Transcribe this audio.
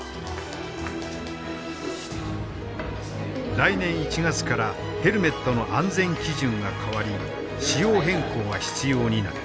来年１月からヘルメットの安全基準が変わり仕様変更が必要になった。